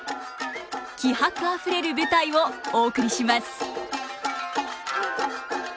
気迫あふれる舞台をお送りします。